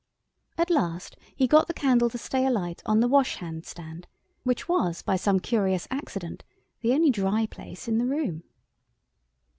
At last he got the candle to stay alight on the washhand stand, which was, by some curious accident, the only dry place in the room.